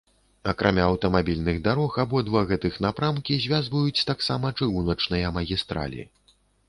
Акрамя аўтамабільных дарог абодва гэтых напрамкі звязваюць таксама чыгуначныя магістралі.